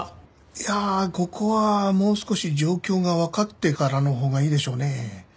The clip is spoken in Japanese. いやあここはもう少し状況がわかってからのほうがいいでしょうね。